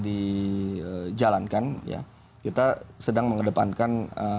dijalankan kita sedang mengedepankan